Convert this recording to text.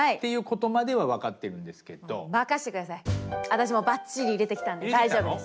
私もうばっちり入れてきたんで大丈夫です！